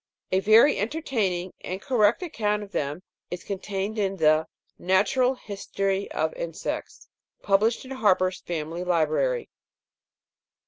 A very entertaining and correct account of them is contained in the " Natural History of Insects," published in Harper's Family Library.